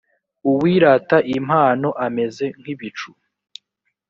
uwirata impano ameze nk ibicu